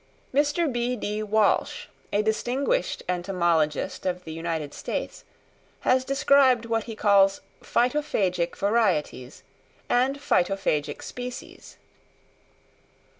Mr. B.D. Walsh, a distinguished entomologist of the United States, has described what he calls Phytophagic varieties and Phytophagic species.